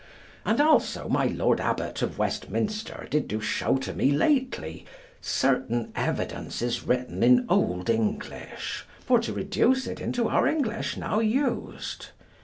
And also my Lord Abbot of Westminster did do show to me lately certain evidences written in old English, for to reduce it into our English now used.